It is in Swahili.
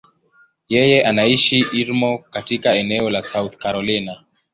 Yeye anaishi Irmo, katika eneo la South Carolina.